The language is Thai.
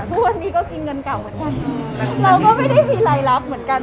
ทุกวันนี้ก็กินเงินเก่าเหมือนกันเราก็ไม่ได้มีรายรับเหมือนกัน